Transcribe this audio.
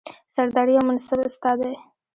سرداري او منصب ستا دی